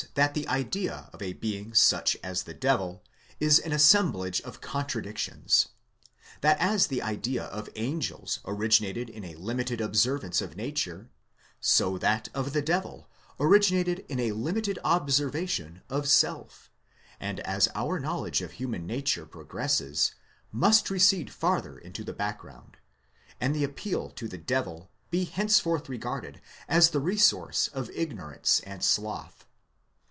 He shows that the idea of a being such as the devil, is an assemblage of contradictions; that as the idea of angels originated in a limited observation of nature, so that of the devil originated in a limited observation of self, and as our knowledge of human nature pro gresses, must recede farther into the background, and the appeal to the devil be henceforth regarded as the resource of ignorance and sloth.?